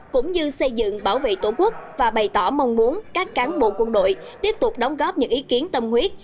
cũng như xây dựng bảo vệ tổ quốc và bày tỏ mong muốn các cán bộ quân đội tiếp tục đóng góp những ý kiến tâm huyết